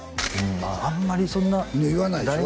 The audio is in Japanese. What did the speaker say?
あんまりそんな言わないでしょ